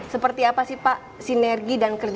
seperti apa sih pak sinergi dan kerja